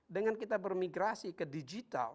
dengan kita bermigrasi ke digital